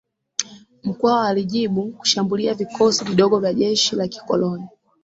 Mkwawa alijibu kushambulia vikosi vidogo vya jeshi la kikoloni